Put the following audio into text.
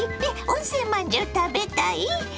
温泉まんじゅう食べたい？